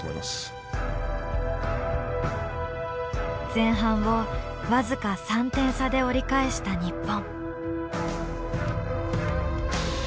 前半を僅か３点差で折り返した日本。